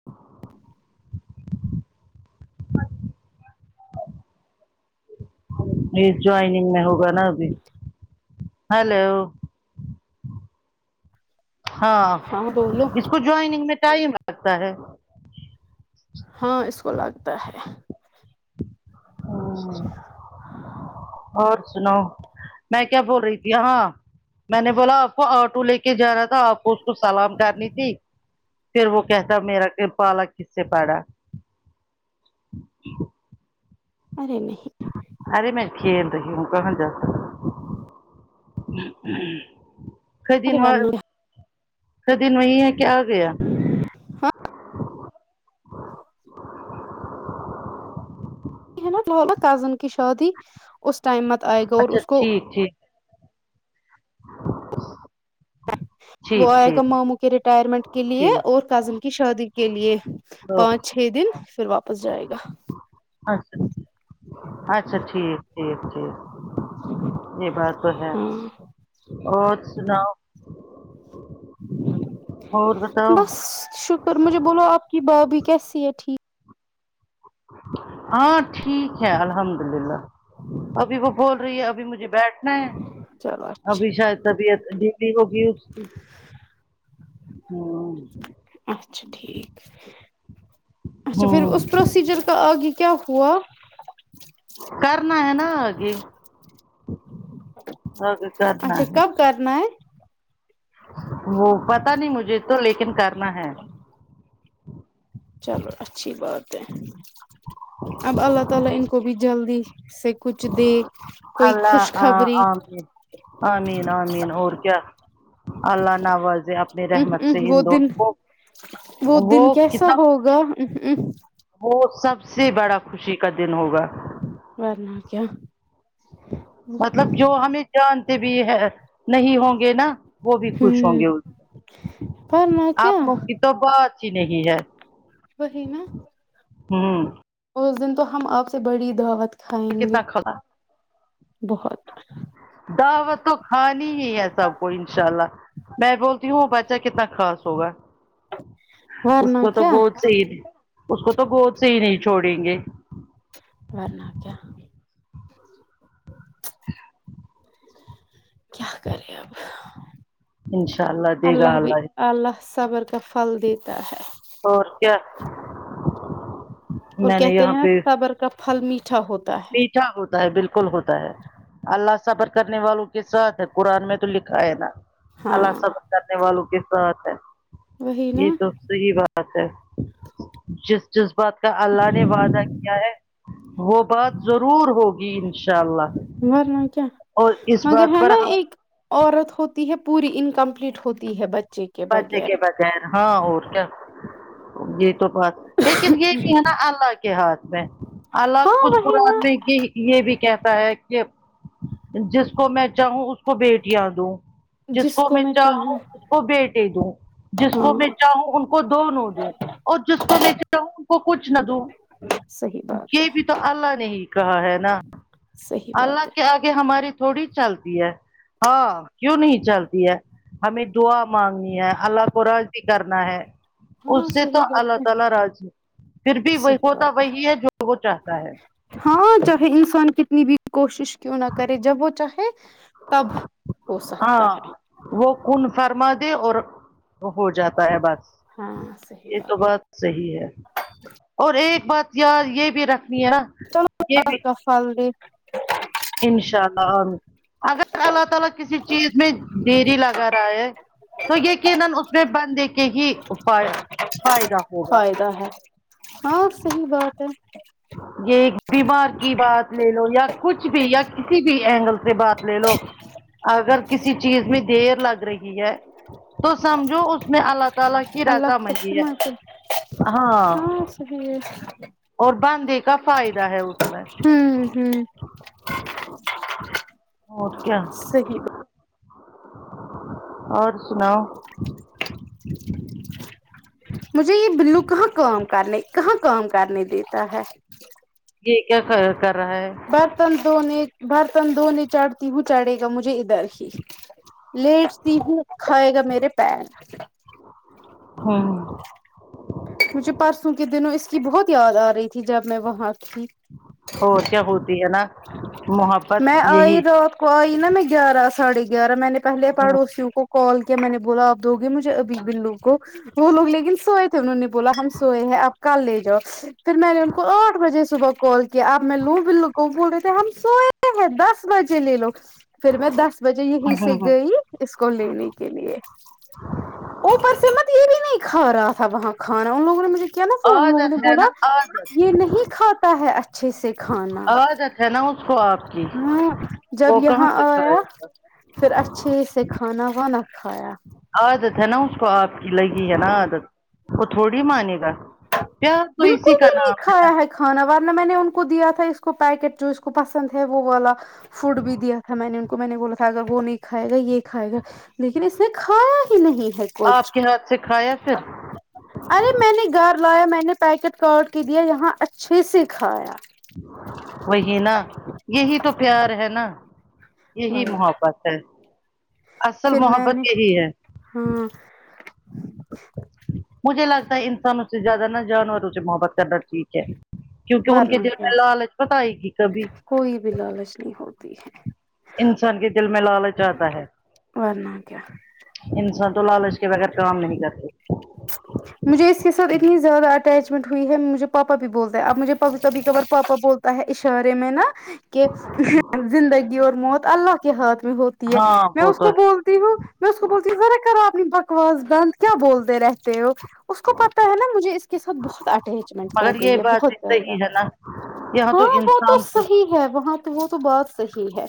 [inaudible] یہ جوائننگ میں ہوگا نا ابھی ہیلو ہاں اس کو جوائننگ میں ٹائم لگتا ہے ہاں اس کو لگتا ہے ہاں اور سناؤ میں کیا بول رہی تھی ہاں میں نے بولا آپ کو آٹو لے کے جا رہا تھا آپ اس کو سلام کرنی تھی پھر وہ کہتا میرا پالا کس سے پڑا ارے نہیں ارے میں کھیل رہی ہوں کہاں جاو خدین ارے ورنہ خدین وہی ہے کہ آگیا ہاں ہے نا کزن کی شادی اس ٹائم مت آئے گا اور اچھا اس کو ٹھیک ٹھیک [unintelligible] وہ ٹھیک آئے گا ٹھیک ماموں ٹھیک کے ریٹائرمنٹ کے لیے اور ٹھیک کزن کی شادی کے لیے اوکے پانچ چھ دن پھر واپس جائے گا اچھا اچھا ٹھیک ٹھیک ٹھیک یہ بات تو ہے ہاں اور سناؤ اور بتاؤ بس شکر مجھے بولو آپ کی بھابھی کیسی ہے ٹھیک ہاں ٹھیک ہے الحمد للہ ابھی وہ بول رہی ہے ابھی مجھے بیٹھنا ہے چلو ابھی اچھا شاید طبیعت ڈلی ہوگی اس کی ہاں اچھا ٹھیک اچھا پھر اس ہ پروسیجر تو آگے کیا ہوا کرنا ہے نا آگے آگے کرنا اچھا کب ہے کرنا ہے وہ پتا نہیں مجھے تو لیکن کرنا ہے چلو اچھی بات ہے اب اللہ تعالی ان کو بھی جلدی سے کچھ دے کوئی اللہ خوشخبری آمین آمین آمین اور کیا اللہ ناوازے اپنے ام رحمت سے ام ان وہ دن دونوں کو وہ کتنا گو خوش- ہم ہم وہ سب سے بڑا خوشی کا دن ہوگا ورنہ کیا مطلب جو ہمیں جانتے بھی ہے نہیں ہوں گے نا وہ بھی خوش ہوں گے ورنہ کیا آپ تو بات ہی نہیں ہے وہی نا ہمم اس دن تو ہم اپ سے بڑی دعوت کھائیں گے کتنا کھا بہت دعوت تو کھانی ہی ہے سب کو انشاء اللہ میں بول تی ہوں بچہ کتنا خاص ہوگا اس ورنہ کو تو کیا گود سے ہی اس کو تو گود سے ہی نہیں چھوڑیں گے ورنہ کیا ہیلو کیا کرے اب انشاء دے گا اللہ بھی اللہ صبر کا پھل دیتا ہے اور کیا اور میں نے کہتے یہاں ہیں صبر کا پھل میٹھا ہوتا ہے کیا ہوتا ہے بالکل ہوتا ہے اللہ صبر کرنے والوں کے ساتھ ہے قران میں تو لکھا ہے نا ہاں اللہ صبر کرنے والوں کے ساتھ ہے وہی یہ نا تو صحیح بات ہے جس جس بات کا اللہ نے وعدہ کیا ہے وہ بات ضرور ہوگی ان ورنہ کیا اس مگر بات ہے پر نا ہم ایک عورت ہوتی ہے پوری انکمپلیٹ ہوتی ہے بچے بچے کے بغیر ہاں اور کیا یہی تو بات لیکن یہ بھی ہے نا اللہ کے ہاتھ میں اللہ ہاں خود وہی نا قران میں کہ یہ بھی کہتا ہے کہ جس کو میں چاہوں اس کو بیٹیاں دو جس کو میں چاہوں اس کو بیٹے دوں جس کو میں ہاں چاہوں ان کو دونوں دوں اور جس کو میں چاہوں ان کو کچھ نہ دوں صحیح بات یہ ہے بھی تو اللہ نے ہی کہا ہے نا صحیح اللہ بات ہے کے اگے ہماری تھوڑی چلتی ہے ہاں کیوں نہیں چلتی ہے ہمیں دعا مانگنی ہے اللہ کو راضی کرنا ہے ہاں اس سے تو صحیح بات اللہ ہے تعالی راضی ہے پھر بھی صحیح ہوتا بات وہی ہے جو وہ چاہتا ہے ہاں چاہے انسان کتنی بھی کوشش کیوں نہ کرے جب وہ چاہے تب ہو سکتا ہے ہاں وہ کن فرما دے اور ہو جاتا ہے بس ہاں صحیح یہ تو بات ہے صحیح ہے اور ایک بات یار یہ بھی رکھنی ہے نا چلو [unintelligible] یہ ال بھی کا فال د انشاء اللہ امین اگر اللہ تعالی کسی چیز میں دیری لگا رہا ہے تو یقینن اس اسنے بندے کے ہی وو پیا فائدہ ہے ہاں صحیح بات ہے یہ بیمار کی بات لے لو یا کچھ بھی یا کسی بھی اینگل سے بات لے لو اگر کسی چیز میں دیر لگ رہی ہے تو سمجھو اس میں اللہ تعالی کی اللہ رضامندی ہے تسمات ہاں جی اور بندے کا فائدہ ہے اس میں ہوں ہوں اور کیا صحیح اور سناؤ مجھے یہ بلو کہاں کام کرنے کہاں کام کرنے دیتا ہے یہ کیا کر کر رہا ہے برتن دھونے برتن دھونے چڑھتی ہوں چڑھے گا مجھے ادھر ہی لیٹتی ہوں کھائے گا میرے پیر ہوں مجھے پرسوں کے دنوں اس کی بہت یاد آ رہی تھی جب میں وہاں تھی اور کیا ہوتی ہے نا محبت میں آئی یہی رات کو آئی نا میں گیارہ ساڑھے گیارہ میں نے پہلے ہوں پڑوسیوں کو کال کیا میں نے بولا آپ دو گے مجھے ابھی بلو کو وہ لوگ لیکن سوئے تھے انہوں نے بولا ہم سوئے ہیں آپ کل لے جاؤ پھر میں نے ان کو آٹھ بجے صبح کال کہ آپ میں لوں بلو کو بول رہے تھے ہم سوئے ہیں دس بجے لے لو پھر میں دس بجے یہیں ہوں سے ہوں گئی اس کو لینے کے لیے اوپر سے مت یہ بھی نہیں کھا رہا تھا وہاں کھانا ان لوگوں نے مجھے کیا نا فون لوگوں عادت نے ہے بولا نا عادت یہ نہیں کھاتا ہے اچھے سے کھانا عادت ہے نا اس کو آپ کی ہاں جب وہ کہاں یہاں سے آیا کھائے گا پھر اچھے سے کھانا وانا کھایا عادت ہے نا اس کو آپ کی لگی ہے نا ہاں عادت وہ تھوڑی مانے گا پیار تو اسی بالکل بھی کا نہیں نام ہے نا کھایا کھانا ورنہ میں نے ان کو دیا تھا اس کو پیکٹ جو اس کو پسند ہے وہ والا فوڈ بھی دیا تھا میں نے ان کو میں نے بولا تھا اگر وہ نہیں کھائے گا یہ کھائے گا لیکن اس نے کھایا ہی نہیں ہے کچھ آپ کے ہاتھ سے کھایا پھر ارے میں نے گھر لایا میں نے پیکٹ کاٹ کی دیا یہاں اچھے سے کھایا وہی نا یہی تو پیار ہے نا یہی واللہ محبت ہے اصل پھر میں نے محبت یہی ہے ہاں مجھے لگتا ہے انسانوں سے زیادہ نا جانوروں سے محبت کرنا ٹھیک ہے کیونکہ ان کے ورنہ دل کیا میں لالچ مت آئیگی کبھی کوئی بھی لالچ نہیں ہوتی ہے انسان کے دل میں لالچ آتا ہے ہے ورنہ کیا انسان تو لالچ کے بغیر کام نہیں کرتے مجھے اس کے ساتھ اتنی زیادہ اٹیچمنٹ ہوئی ہے مجھے پاپا بھی بولتے ہیں اب مجھے پا کبھی کبھار پاپا بول تا ہے اشارے میں نا کہ زندگی اور موت اللہ کے ہاتھ میں ہو تی ہے ہاں میں وہ اس تو کو ہے بول تی ہوں میں اس کو بولتی ہوں ذرا کرو اپنی بکواس بند کیا بولتے رہتے ہو اس کو پتہ ہے نا مجھے اس کے ساتھ بہت اٹیچمنٹ ہو مگر یہ گئی ہے بات بہت بھی زیادہ صحیح ہے نا یہاں ہاں وہ تو انسان پر صحیح ہے وہاں تو وہ تو بات صحیح ہے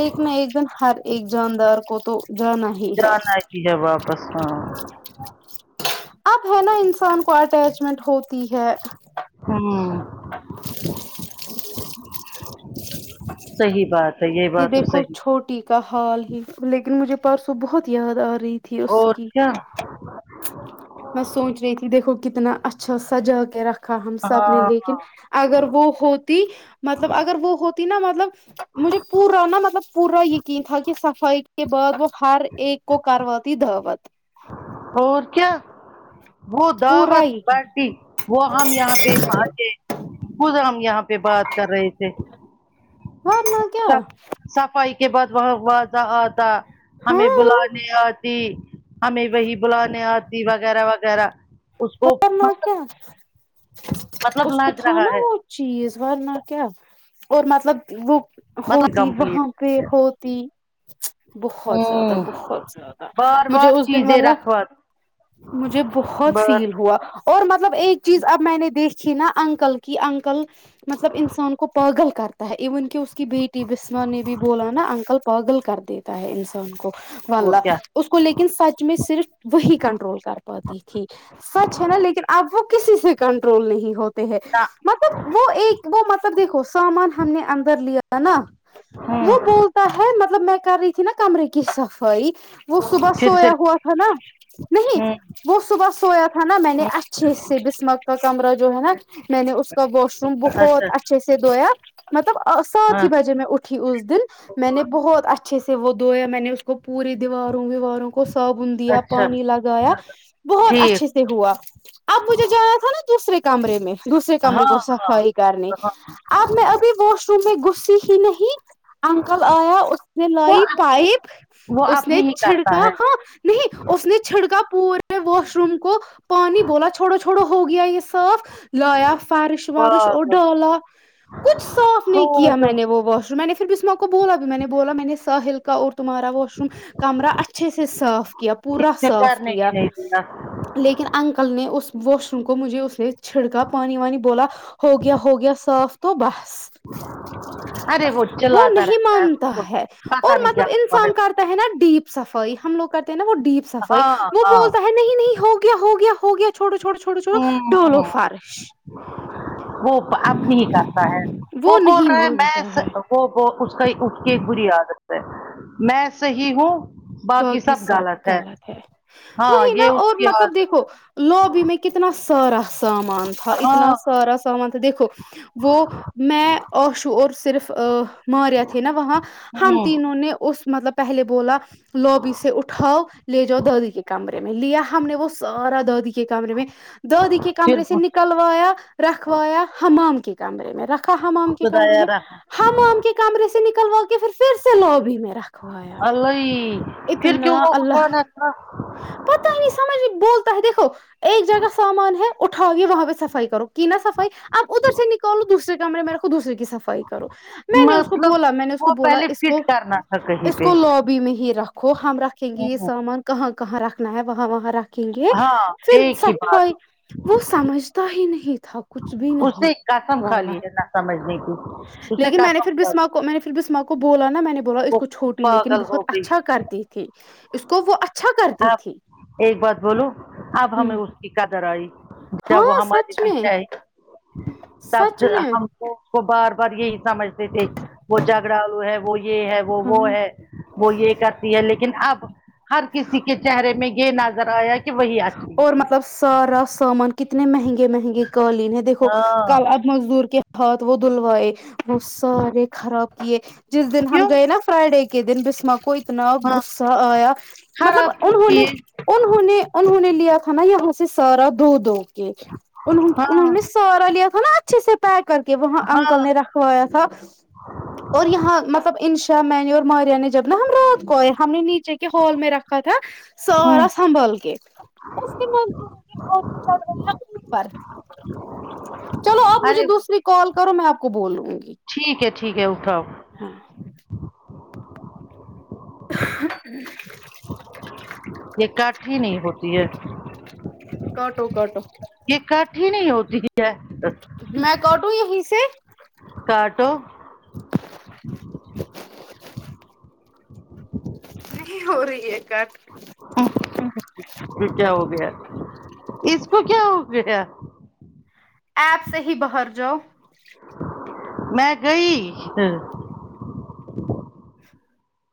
ایک نہ ایک دن ہر ایک جاندار کو تو جانا ہے ہی جانا کی ہے واپس ہاں اب ہے نا انسان کو اٹیچمنٹ ہوتی ہے ہوں صحیح بات ہے یہ بات تو دیکھو صحیح چھوٹی کا حال ہی لیکن مجھے پرسوں بہت یاد آ رہی تھی اس اور کی کیا میں سوچ رہی تھی دیکھو کتنا اچھا سجا کے رکھا ہم سب نے ہاں لیکن ہاں اگر وہ ہوتی مطلب اگر وہ ہوتی نا مطلب مجھے پورا نا مطلب پورا یقین تھا کہ صفائی کے بعد وہ ہر ایک کو کرواتی دعوت اور کیا وہ پورا دعوت یقین باٹتی وہ ہم یہاں پہ مار گے خود ہم یہاں پہ بات کر رہے تھے ہاں نا صفائی کے بعد وہاں وازہ آتا ہمیں ہاں بلانے آتی ہمیں وہی بلانے آتی وغیرہ وغیرہ اس کو م ورنہ کیا مطلب اس کو لگ تھا رہا نا ہے وہ چیز ورنا کیا اور مطلب وہ مطلب ہوتی وہاں کمپلیٹ پہ ہوتی بہت زیادہ بہت زیادہ بار مجھے بار اس دن چیزیں والا رکھوا مجھے بہت بار فیل ہوا اور مطلب ایک چیز اب میں نے دیکھی نا انکل کی انکل مطلب انسان کو پاگل کرتا ہے ایون کہ اس کی بیٹی بسما نے بھی بولا نا انکل پاگل کر دیتے ہے انسان کو واللہ اور کیا اس کو لیکن سچ میں صرف وہی کنٹرول کر پاتی تھی سچ ہے نا لیکن اب وہ کسی سے کنٹرول نہیں ہو تے ہیں نہ مطلب وہ ایک وہ مطلب دیکھو سامان ہم نے اندر لیا نا وہ ہوں بولتا ہے مطلب میں کر رہی تھی نا کمرے کی صفائی وہ صبح پھر سے سویا ہوا تھا نا نہیں ہوں وہ صبح سویا تھا نا میں نے ہوں اچھے سے بسما کا کمرہ جو ہے نا میں نے اس کا واش روم اچھا بہت اچھے سے دھویا مطلب سات ہاں ہی بجے میں اٹھ ٹھی اس دن میں نے بہت اچھے سے وہ دھویا میں نے اس کو پوری دیواروں وواروں کو صابن دیا پانی لگایا بہت پھر اچھے ہوا اب مجھے جانا تھا نا دوسرے کمرے میں دوسرے کمرے ہاں کو ہاں صفائی کرنے ہاں اب میں ابھی واش روم میں گھسی ہی نہیں انکل آیا اس نے وہ لائی پائپ وہ اس نے اپنی ہی چھڑکا کرتا ہے ہاں نہیں اس نے چھڑکا پور میں واش روم کو پانی بولا چھوڑو چھوڑو ہو گیا یہ صاف لایا فارش وارش اور پاگل ڈالا کچھ صاف نہیں کیا میں پاگل نے وہ واش روم میں نے پھر بسمہ کو بولا بھی میں نے بولا میں نے ساہل کا اور تمہارا واش روم کمرہ اچھے سے صاف کیا اس پورا سے صاف کرنے کیا [unintelligible] لیکن انکل نے اس واش روم کو مجھے اس نے چھڑکا پانی وانی بولا ہو گیا ہو گیا صاف تو بس ارے وہ چلاتا نہیں رہتا ہے اس مانتا کو ہے اور پتا نہیں کیا مطلب ہوا انسان کرتا ہے نا ڈیپ صفائی ہم لوگ کرتے ہیں نا وہ ڈیپ صفائی ہاں وہ ہاں بہت نہیں نہیں ہو گیا ہو گیا ہو گیا چھوڑو چھوڑو چھوڑو چھوڑو ڈولو ہوں فارش وہ اپ نہیں کرتا ہے وہ بول نہیں رہا ہے میں مانتا ہے اس کا اس کی ایک بری عادت ہے میں صحیح ہوں باقی سب غلط ہے ہاں وہی نا یہ اس اور کی مطلب عادت دیکھو لوبی میں کتنا سارا سامان تھا ہاں اتنا سارا سامان تھا دیکھو وہ میں آشو اور صرف ماریا تھے نا وہاں ہم ہوں تینوں نے اس مطلب پہلے بولا لوبی سے اٹھاؤ لے جاؤ دادی کے کمرے میں لیا ہم نے وہ سارا دادی کمرے میں دادی کے پھر کمرے سے نکلوایا رکھوایا حمام کے کمرے میں رکھ حمام کے کمرے خدایا میں رحم حمام کے کمرے سے نکلوا کے پھر پھر سے لوبی میں رکھ الی پھر کیوں وہ اللہ اٹھانا تھا پتا ہی نہیں سمجھ بولتا ہے دیکھو ایک جگہ سامان ہے اٹاؤ گے وہاں پہ صفائی کرو کی نہا صفائی اب ادھر سے نکالو دوسرے کمرے میں رکھو دوسری کی صفا ئی کرو میں نے اس کو مطلب بولا میں نے اس کو وہ بولا پہلے اس فٹ کو کرنا تھا کہیں اس پہ کو لو بی میں ہی رکھو ہم رکھیں گے یہ ہوں سامان کہاں کہاں رکھنا ہے وہاں وہاں رکھ یں گے ہاں پھر ایک ہی بات صفائی وہ سمجھتا ہی نہیں تھا کچھ بھی اس نہیں نے قسم کھا والا لی ہے نہ سمجھنے کی اس لیکن میں نے قسم پھر کھا لی بسمہ کو میں نے پھر بسمہ کو بولا نا میں نے بولا اس وہ کو خود چھوٹی لیکن بہت اچھا کرتی تھی اس کو وہ اچھا کرتی تھی آپ ایک بات بولو اب ہمیں اس کی قدر آئی ہاں جب وہ ہمارے سچ بیچ میں آئے تب سچ میں ہم وہ اس کو بار بار یہی سمجھتے تھے وہ جھگڑا لو ہے وہ یہ ہے وہ وہ ہاں ہے وہ یہ کرتی ہے لیکن اب ہر کسی کے چہرے میں یہ نظر آیا کہ وہی اچھی اور تھی مطلب سارا سامان کتنے مہنگے مہنگے قالین ہے دیکھو ہاں کل مزدور کے ہاتھ وہ دھلوائے وہ سارے خراب کیے جس دن ہم کیوں گئے نا فرائیڈے کے دن بسما کو اتنا ہاں غصہ آیا مطلب خراب کیوں انہوں نے کیے انہوں نے انہوں نے لیا تھا نا یہاں سے سارا دو دو کے ان انہوں ہاں نے سارا لیا تھا نا اچھے سے طے کر کے وہاں انکل ہاں نے رکھوایا تھا اور یہاں مطلب انشا میں نے اور ماریا نے جب نا ہم رات کو آئے ہم نے نی چے کے ہول میں رکھا تھا سارا ہوں سنبھل کے اس مور فٹو چ [unintelligible] اچ دوسری کال کرو میں آپ کو بول لوں گی ٹھیک ہے ٹھیک ہے اٹھاؤ ہاں [unintelligible] یہ کٹ ہی نہیں ہوتی ہے کاٹو کاٹو یہ کٹ ہی نہیں ہوتی ہی ہے میں کاٹوں یہیں سے کاٹوں ہو رہی ہے کٹ اس کو کیا ہو گیا اس کو کیا ہو گیا ایپ سے ہی باہر جاؤ میں گئی ہا